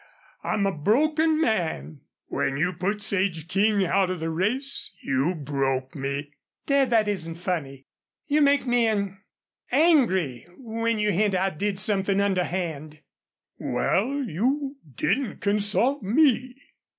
I'm a broken man. When you put Sage King out of the race you broke me." "Dad, that isn't funny. You make me an angry when you hint I did something underhand." "Wal, you didn't consult ME."